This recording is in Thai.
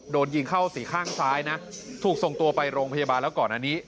โดนยิงเข้าสี่ข้างซ้ายนะถูกส่งตัวไปโรงพยาบาลแล้วก่อนอันนี้